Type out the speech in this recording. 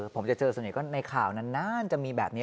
ผมจะเจอส่วนใหญ่ก็ในข่าวนานจะมีแบบนี้